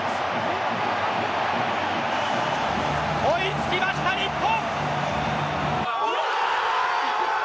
追いつきました、日本！